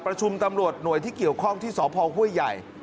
ประชุมตำรวจหน่วยที่เกี่ยวข้องที่สพห้วยใหญ่